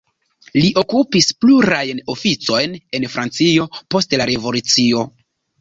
Li okupis plurajn oficojn en Francio, post la Revolucio.